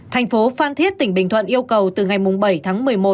thành phố phan thiết tỉnh bình thuận yêu cầu từ ngày bảy tháng một mươi một